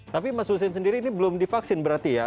tapi mas hussein sendiri ini belum divaksin berarti ya